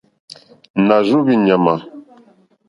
Nà rzóhwì ɲàmà.